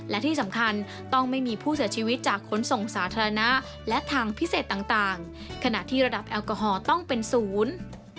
และที่สำคัญต้องไม่มีผู้เสียชีวิตจากขนส่งสาธารณะและทางพิเศษต่างขณะที่ระดับแอลกอฮอล์ต้องเป็นศูนย์